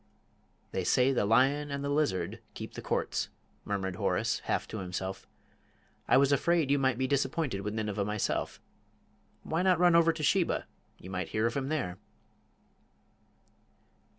"They say the lion and the lizard keep the Courts " murmured Horace, half to himself. "I was afraid you might be disappointed with Nineveh myself. Why not run over to Sheba? You might hear of him there."